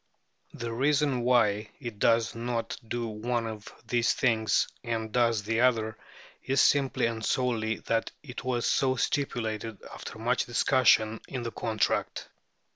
The reason why it does not do one of these things and does the other is simply and solely that it was so stipulated, after much discussion, in the contract.